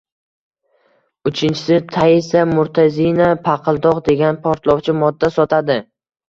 Uchinchisi, Taisa Murtazina paqildoq degan portlovchi modda sotadi